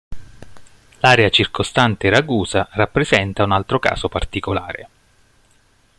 L'area circostante Ragusa rappresenta un altro caso particolare.